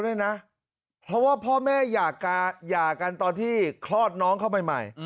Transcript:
ด้วยนะเพราะว่าพ่อแม่หย่ากันตอนที่คลอดน้องเข้าไปใหม่